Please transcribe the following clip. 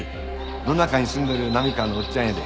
野中に住んどる波川のおっちゃんやで。